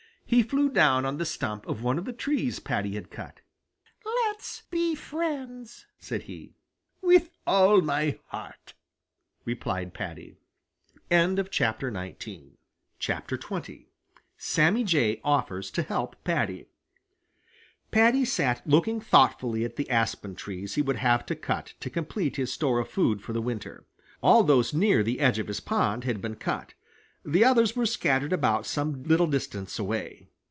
He flew down on the stump of one of the trees Paddy had cut. "Let's be friends," said he. "With all my heart!" replied Paddy. XX SAMMY JAY OFFERS TO HELP PADDY Paddy sat looking thoughtfully at the aspen trees he would have to cut to complete his store of food for the winter. All those near the edge of his pond had been cut. The others were scattered about some little distance away.